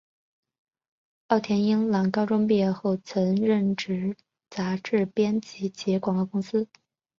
奥田英朗高中毕业后曾任职杂志编辑及广告公司。